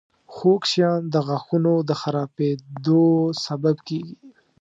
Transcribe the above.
• خوږ شیان د غاښونو د خرابېدو سبب کیږي.